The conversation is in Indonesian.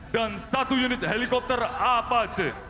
dan satu unit helikopter apac